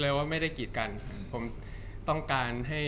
จากความไม่เข้าจันทร์ของผู้ใหญ่ของพ่อกับแม่